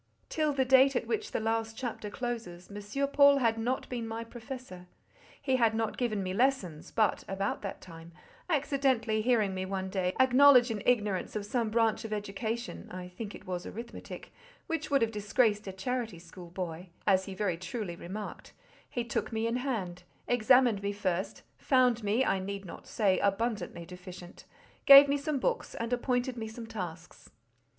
Till the date at which the last chapter closes, M. Paul had not been my professor—he had not given me lessons, but about that time, accidentally hearing me one day acknowledge an ignorance of some branch of education (I think it was arithmetic), which would have disgraced a charity school boy, as he very truly remarked, he took me in hand, examined me first, found me, I need not say, abundantly deficient, gave me some books and appointed me some tasks.